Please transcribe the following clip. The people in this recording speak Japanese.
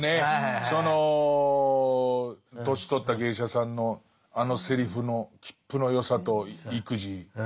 その年取った芸者さんのあのセリフのきっぷのよさと意気地。